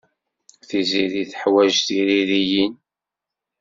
Tiziri teḥwaj tiririyin.